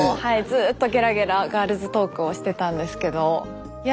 ずっとゲラゲラガールズトークをしてたんですけどいや